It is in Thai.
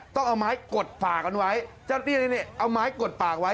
ต้องเอาไม้กดฝากันไว้เจ้านี่เอาไม้กดปากไว้